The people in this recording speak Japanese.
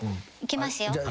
いきますよ。